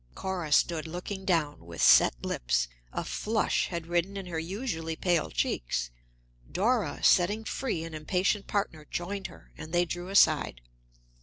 Cora stood looking down, with set lips; a flush had risen in her usually pale cheeks. Dora, setting free an impatient partner, joined her and they drew aside.